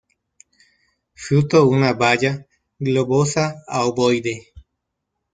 Fruto una baya globosa a ovoide.